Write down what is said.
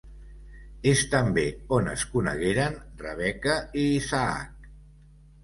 És també on es conegueren Rebeca i Isaac.